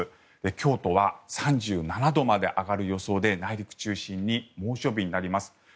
京都は３７度まで上がる予想で内陸中心に猛暑日になります。